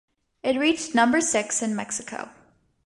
It reached number-six in Mexico.